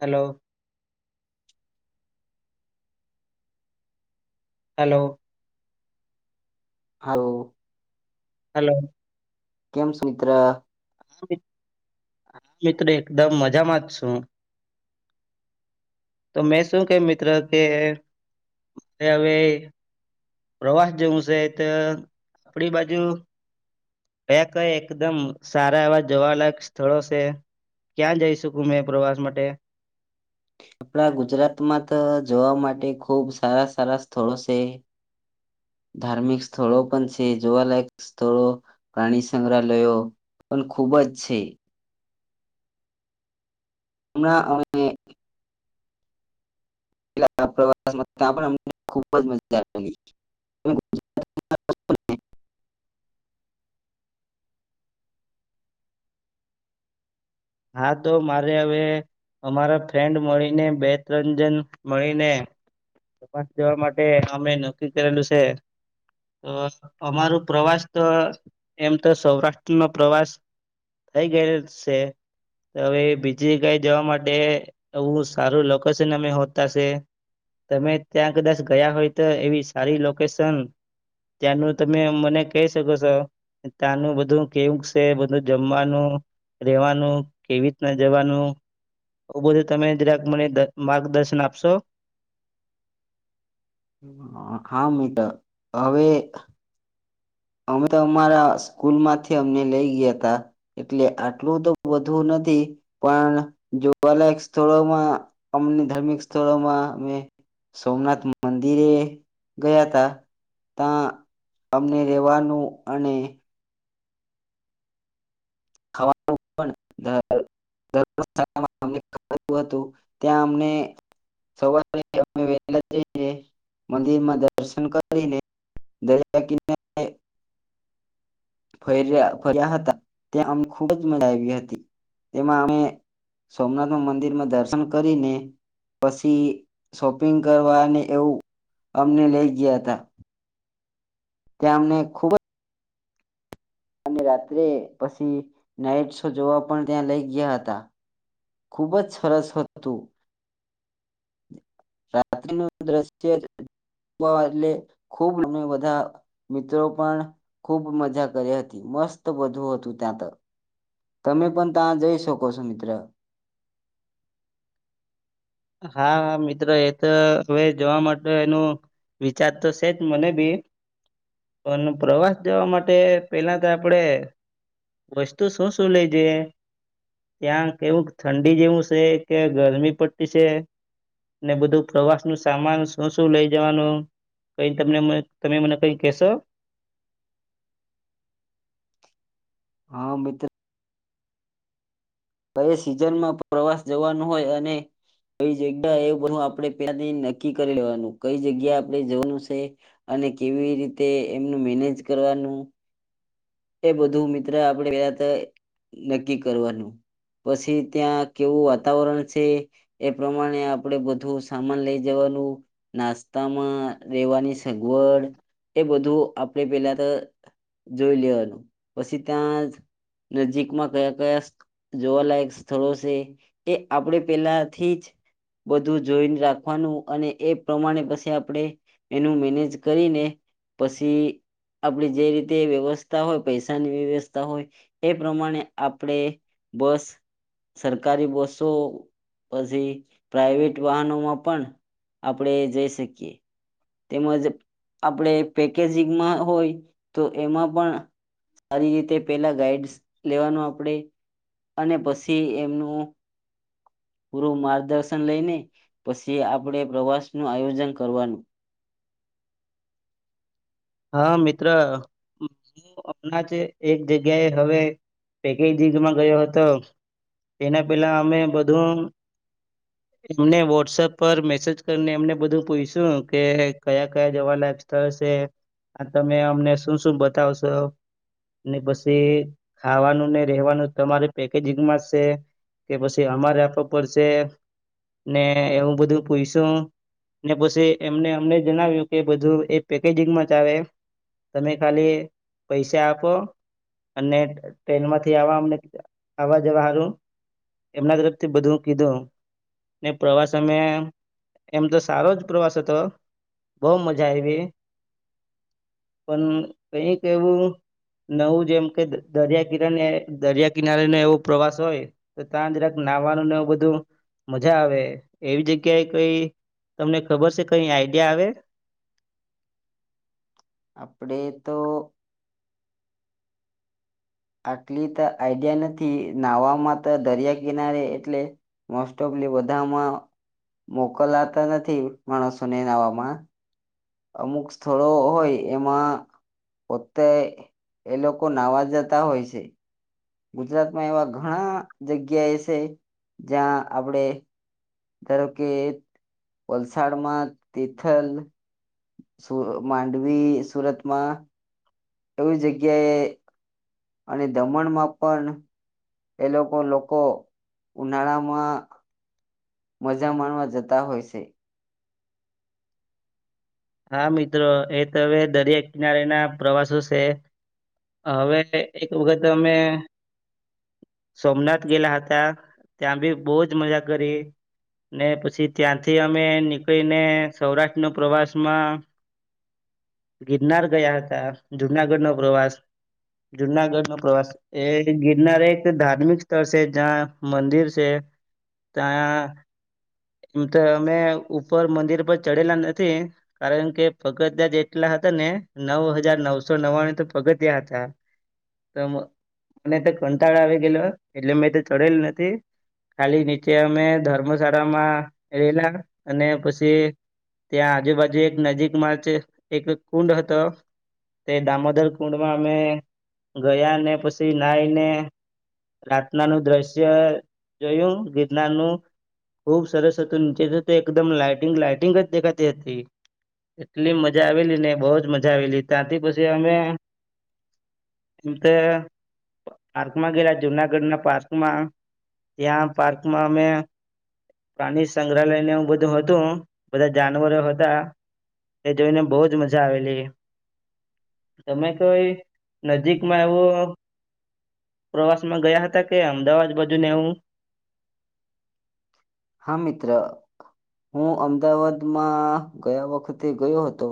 Hello. Hello. હા ઓ hello. કેમ સુમિત્ર સુ મી [inaudible] હા મિત્ર એકદમ મજામાં જ છું. તો મેં શું કે મિત્ર કે હવે પ્રવાસ જવું છે તો આપણી બાજુ કયા કયા એકદમ સારા એવા જોવાલાયક સ્થળો છે ક્યાં જઈશું મેં પ્રવાસ માટે આપણા ગુજરાતમાં તો જોવા માટે ખૂબ સારા સારા સ્થળો છે ધાર્મિક સ્થળો પણ છે જોવાલાયક સ્થળો પ્રાણી સંગ્રહાલયો પણ ખૂબ જ છે [unintelligible] [unintelligible] હા તો મારે હવે અમારા ફ્રેન્ડ મળીને બે તરંજન મળીનેપ જવા માટે અમે નક્કી કરેલું છે તો અમાર પ્રવાસ તો એમ તો સૌરાષ્ટ્ર ન પ્રવાસ થઈ ગયે છે હવે બીજી જગ્યા જવા માટે આવું સારું લોકેશન અમે હોતા છે તમે ત્યાં કદાચ ગયા હોય તો એવી સારી લોકેશન ત્યાંનું તમે મને કહી શકો છો ત્યાંનું બધું કેવું છે બધું જમવાનું રહેેવાનું કેવી રીતના જવાનું આ બધું તમે જરાક મને માર્ગદર્શન આપશો? હા મીટર હવે અમે તો અમારા સ્કૂલ માંથી અમને લઈ ગયા ત એટલે આટલું તો બુ નથી પણ જોવાલાયક સ્થળોમાં અમને ધાર્મિક સ્થળોમાં અમે સોમનાથ મંદિરે ગયા તા ત્યા અમને દેવાનું અને [unintelligible] હતું ત્યાં અમને સવારે વલા જને મંદિરમાં દર્શન કરીને દરિયા કિ ફર્યા હતા. ત્યાં અમે ખૂબ જ મજા આવી હતી તેમાં અમે સોમનાથ મંદિરમાં દર્શન કરીને પછી શોપિંગ કરવાને એવું અમને લઈ ગયા હતા ત્યાં અમને ખુબ જ અને રાત્રે પછી નાઈટ શો જોવા પણ ત્યાં લઈ ગયા હતા ખુબ જ સરસ હતું રાત્રિનું દ્રશ્ય એટલે ખૂબ બધા મિત્રો પણ ખૂબ મજા કરી હતી મસ્ત બધું હતું ત્યાં તો તમે પણ ત્યાં જઈ શકો છો મિત્ર હા મિત્રો એ તો હવે જોવા માટે એનો વિચાર તો છે જ મને બી પણ પ્રવાસ જવા માટે પેલા તો આપણેે વસ્તુ શું શું લઈ જઈએ ત્યાં કેવું ઠંડી જેવું છે કે ગરમી પ છે ને બધું પ્રવાસ નું સામાન શું શું લઈ જવાનું કઈ તને તમે મને કઈ કહેશો. હા મિત્ર. કઈ સિઝનમાં પ્રવાસ જવાનું હોય અને કઈ જગ્યા એ બધું આપણે ત્યાથી નક્કી કરી લેવાનું કઈ જગ્યા આપણે જવાનું છે અને કેવી રીતે એમનું મેનેજ કરવાનું એ બધું મિત્ર આપણેે પેલા તો નક્કી કરવાનું પછી ત્યાં કેવું વાતાવરણ છે એ પ્રમાણે આપણે બધું સામાન લઈ જવાનું નાસ્તામાં રહેેવાની સગવડ એ બધું આપણે પેલા તો જોઈ લેવાનું. પછી ત્યાં નજીકમાં કયા કયા જોવાલાયક સ્થળો છે એ આપણેે પેલાથી જ બધું જોઈને રાખવાનું અને એ પ્રમાણે પછી આપણે એનું મેનેજ કરીને પછી આપણે જે રીતે વ્યવસ્ હોય પૈસાની વ્યવસ્થા હોય એ પ્રમાણે આપણે બસ સરકારી બસો પછી પ્રાાઈવેટ વાહનોમાં પણ આપણે જઈ શકીએ તેમજ આપણે પેકેજિંગમાં હોય તો એમાં પણ સારી રીતે પેલા ગાઈડ લેવાનું આપણેે અને પછી એમનું પૂરું માર્ગદર્શન લઈને પછી આપણે પ્રવાસનું આયોજન કરવાનું. હા મિત્ર હું હમણાં જ એક જગ્યાએ હવે પેકેજંગમાં ગયો હતો એના પેલા અમે બધું એમને વોટ્સપ પર મેસેજ કરીને એમને બધું પૂછશું કે કયા કયા જવાલાયક સ્થળ છે આ તમે અમને શું શું બતાવશો ને પછી ખાવાનું ને રેવાનું તમારે પેકેજિંગમાં છે કે પછી અમારે આપવા પડશે ને એવું બધું પૂછશું ને પછી એમને અમને જણાવ્યું કે બધું એ પેકેજંગમાં તમે ખાલી પૈસા આપો અને ટ્રેનમાંથી આવામ આવવા જવાારું એમના તરફથી બધું કીધું ને પ્રવાસ અમે એમ તો સારો જ પ્રવાસ હતો બહ મજા આઈવી. પણ કઈક એવું નવું જેમ કે દરિયા કિના દરિયા કિનારેનો એવો પ્રવાસ હોય તો ત્યાં જરાક નાહવાનું નવ બધું મજા આવે એવી જગ્યાએ કઈ તમને ખબર છે કઈ આઈડિયા આવે? આપડે તો આટલી તો આઈડિયા નથી નાહવામાં તો દરિયા કિનારે એટલે મોસ્ટ ઓફલી બધામાં મોકલાતા નથી માણસોને નાહવામાં અમુક સ્થળો હોય એમાં પોતે એ લોકો નાવા જતા હોય છે ગુજરાતમાં એવા ઘણા જગ્યા એ છે જ્યાં આપણે ધારો કે વલસાડમાં તિથલ માંડવી સુરતમાં એવી જગ્યાએ અને દમણમાં પણ એ લોકો લોકો ઉનાળામાં મજા માણવા જતા હોય છે. હા મિત્રો એ તો હવે દરિયા કિનારેના પ્રવાસો છે હવે એક વખત અમે સોમનાથ ગયેલા હતા ત્યાં બી બહુ જ મજા કરી ને પછી ત્યાંથી અમે નીકળીને સૌરાષ્ટ્ર નો પ્રવાસ [unintelligible] ગિરનાર ગયા હતા જુનાગઢ નો પ્રવાસ જુનાગઢ નો પ્રવાસ એ ગિરનાર એક ધાર્મિક સ્થળ છે જ્યાં મંદિર છે ત્યાં એમ તો અમે ઉપર મંદિર પર ચડેલા નથી કારણ કે પગતિયાં જ જેટલા હતા ને નવ હજાર નવસો નવાણું તો પગતિયા હતા તો મને તો કંટાળ આવી ગયેલો એટલે મેં ચડેલ નથી ખાલી નીચે અમે ધર્મશાળામાં રહેેલા અને પછી ત્યાં આજુબાજુ એક એક નજીકમાં એક કુંડ હતો તે દામોદર કુંડમાં અમે ગયા અને પછી નાઈને રાતના નું દ્રશ્ય જોયું ગિરનાર નુ ખુબ સરસ હતું નીચે તે એકદમ લાઇટિંગ લાાઈટિંગ જ દેખાતી હતી એટલી મજા આવેલી ને બહ જ મજા આવેલી ત્યાંથી પછી અમે તે પાર્કમાં ગયલા જુનાગઢ ના પાર્કમાં ત્યાં પાર્કમાં અમે પ્રાણી સંગ્રહાલયને એવું બધું હતું બધા જાનવરો હતા એ જોઈને બહુજ મજા આવેલી તમે કોઈ નજીકમાં એવું પ્રવાસ માં ગયા હતા કે અમદાવાદ બાજુને એવું? હા મિત્ર હું અમદાવાદમાં ગયા વખતે ગયો હતો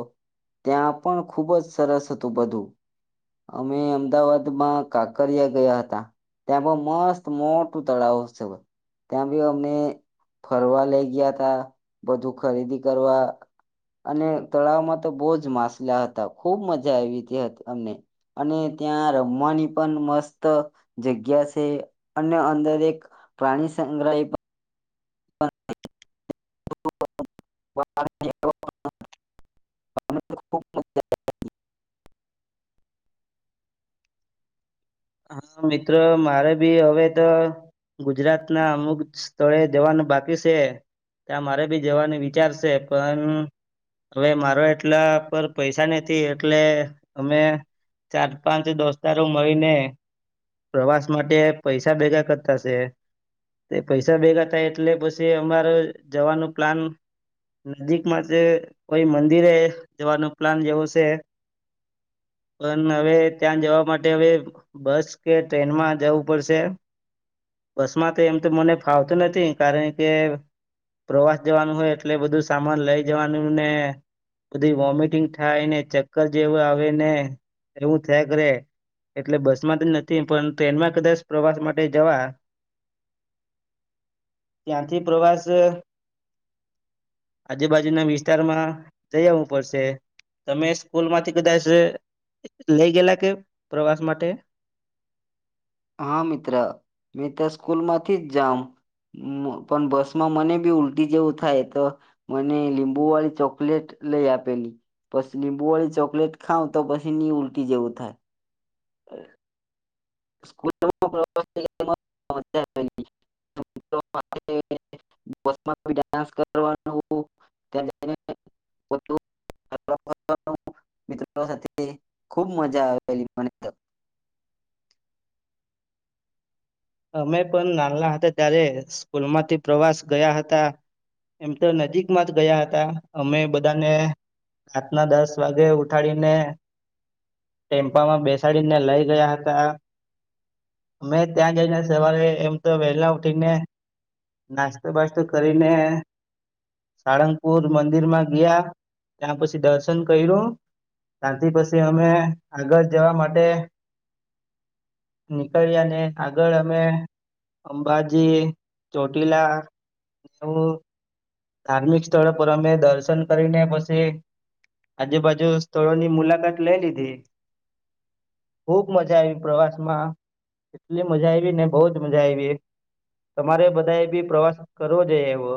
ત્યાં પણ ખુબ જ સરસ હતું બધું અમે અમદાવાદમાં કાકરિયા ગયા હતા ત્યાં પણ મસ્ત મોટું તળાવ છે ત્યાં બ અમને ફરવા લઈ ગયા હતા બધું ખરીદી કરવા અને તળાવમાં તો બહુ જ માછલા હતા ખુબ મજા આવી હતી અમને અને ત્યાં રમવાની પણ મસ્ત જગ્યા છે અને અંદર એક પ્રાણી સંગ્રહી [unintelligible] [unintelligible] હા મિત્રો મારે બી હવે તો ગુજરાત ના અમુક સ્થળે જવાનું બાકી છે ત્યાં મારે બી જવાનું વિચારશે પણ હવે મારો એટલા પર પૈસા નથી એટલે અમે ચાર પાંચ દોસ્તારો મળીને પ્રવાસ માટે પૈસા ભેગા કરતા છે તે પૈસા ભેગા થાય એટલે પછી અમારે જવાનું પ્લાન નજીકમાં કોઈ મંદિરે જવાનું પ્લાન જેવો છે પણ હવે ત્યાં જવા માટે હવે બસ કે ટ્રેનમાં જવું પડશે બસમાં તો એમ તો મને ફાવતું નથી કારણ કે પ્રવાસ જવાનું હોય એટલે બધું સામાન લઇ જવાનું ને બધી વોમિટિંગ થાય ને ચક્કર જેવું આવે ને એવું થયા કરે એટલે બસ નથી પણ ટ્રેનમાં કદાચ પ્રવાસ માટે જવા ત્યાંથી પ્રવાસ આજુબાજુના વિસ્તારમાં જઈ આવવું પડશે તમે સ્કૂલ માંથી કદાચ લઈ ગયલા કે પ્રવાસ માટે. હા મિત્ર મે તો સ્કૂલમાંથી જ જાઉં પણ બસમાં મને બી ઉલટી જેવું થાય તો મને લીંબુ વાળી ચોકલેટ લઈ આપેલી પછી લીંબુ વાળી ચોકલેટ ખાવ તો પછી ની ઉલટી જેવું થાય. [unintelligible] [unintelligible] ખૂબ મજા આવેલી મને તો. અમે પણ નાના હતા ત્યારે સ્કૂલમાંથી પ્રવાસ ગયા હતા એમ તો નજીકમાં જ ગયા હતા અમે બધાને રાતના દસ વાગે ઉઠાડીને ટેમ્પામાં બેસાડીને લઈ ગયા હતા અમે ત્યાં જઈને સવારે એમ તો વહેલા ઉઠીને નાસ્તો બાસ્તો કરીને સાળંગપુર મંદિર માં ગીયા ત્યાં પછી દર્શન કર્યું ત્યાંથી પછી અમે આગળ જવા માટે નીકળ્યા ને આગળ અમે અંબાજી ચોટીલા નું ધાર્મિક સ્થળો પર અમે દર્શન કરીને પછી આજુબાજુ સ્થળોની મુલાકાત લઈ લીધી ખુબ મજા આવી પ્રવાસમાં એટલી મજા આવી ને બહું જ મજા આવી તમારે બધાએ બી પ્રવાસ કરવો જોઈ એવો.